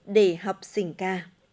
để học sỉnh ca